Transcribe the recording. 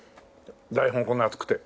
台本こんな厚くて。